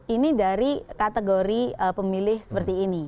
ini dari kategori pemilih seperti ini